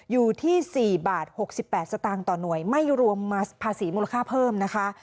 อยู่ที่๔บาท๖๘สตางค์ต่อหน่วยไม่รวมภาษีมูลค่าเพิ่มนะคะ